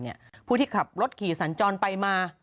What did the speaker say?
เนี้ยผู้ที่ขับรถขี่สันจรไปมา